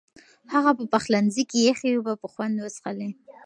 هغه په پخلنځي کې یخې اوبه په خوند وڅښلې.